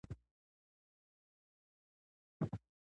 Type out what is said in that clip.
ازادي راډیو د د اوبو منابع ته پام اړولی.